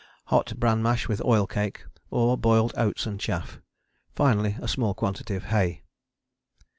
Hot bran mash with oil cake, or boiled oats and chaff; finally a small quantity of hay.